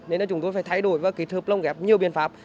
nên là chúng tôi phải thay đổi và cái thợp lông ghép nhiều biện pháp